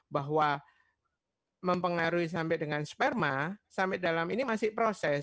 bahwa mempengaruhi sampai dengan sperma sampai dalam ini masih proses